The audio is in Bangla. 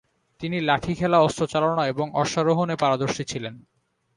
তিনি লাঠি খেলা, অস্ত্র চালনা, এবং অশ্বারোহণে পারদর্শী ছিলেন।